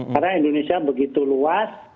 karena indonesia begitu luas